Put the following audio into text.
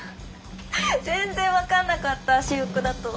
全然分かんなかった私服だと。